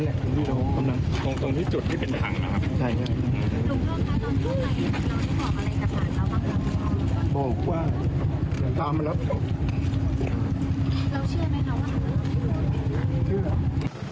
นี่ไงเห็นไหมคะได้ยินประโยคนักศึกษฐายไหม